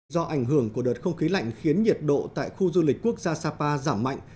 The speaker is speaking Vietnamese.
do ảnh hưởng của đợt không khí lạnh khiến nhiệt độ tại khu du lịch quốc gia sapa giảm mạnh